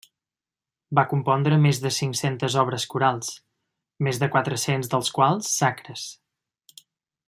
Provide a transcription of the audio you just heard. Va compondre més de cinc-centes obres corals, més de quatre-cents dels quals sacres.